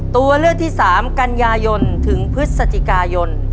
ตัวเลือกที่๓กันยายนถึงพฤศจิกายน